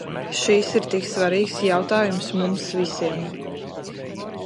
Šis ir tik svarīgs jautājums mums visiem.